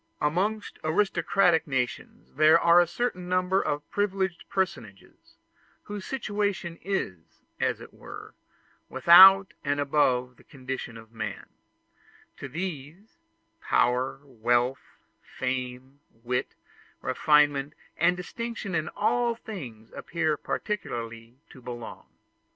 Amongst aristocratic nations there are a certain number of privileged personages, whose situation is, as it were, without and above the condition of man; to these, power, wealth, fame, wit, refinement, and distinction in all things appear peculiarly to belong.